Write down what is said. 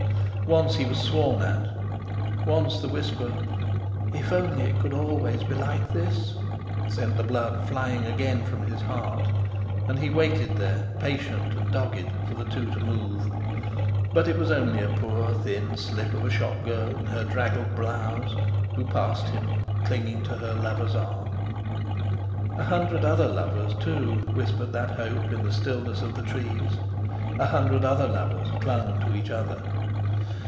Once he was sworn at; once the whisper, "If only it could always be like this!" sent the blood flying again from his heart, and he waited there, patient and dogged, for the two to move. But it was only a poor thin slip of a shop girl in her draggled blouse who passed him, clinging to her lover's arm. A hundred other lovers too whispered that hope in the stillness of the trees, a hundred other lovers clung to each other.